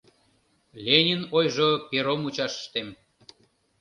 Ленин ойжо перо мучашыштем